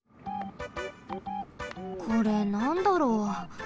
これなんだろう？